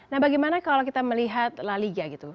nah bagaimana kalau kita melihat la liga gitu